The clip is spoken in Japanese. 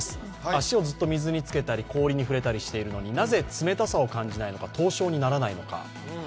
足をずっと水につけたり、氷につけたりしているのになぜ冷たさを感じないのか、凍傷にならないのか。